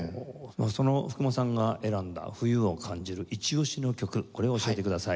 その福間さんが選んだ冬を感じるイチ押しの曲これを教えてください。